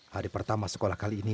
hari pertama sekolah kali ini